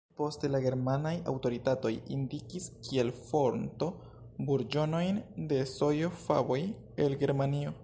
Poste la germanaj aŭtoritatoj indikis kiel fonto burĝonojn de sojo-faboj el Germanio.